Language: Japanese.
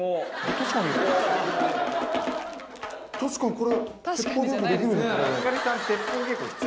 確かにこれ。